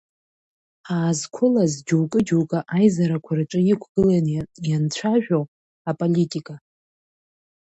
Ҳаазқәылаз џьоукы-џьоукы аизарақәа рҿы иқәгылан ианцәажәо, Аполитика!